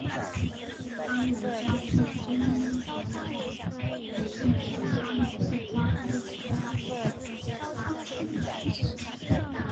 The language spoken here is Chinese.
安仁乡是中国福建省三明市将乐县下辖的一个乡。